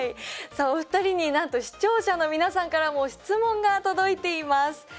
さあお二人になんと視聴者の皆さんからも質問が届いています。